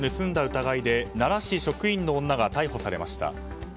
疑いで奈良市職員の女が逮捕されました。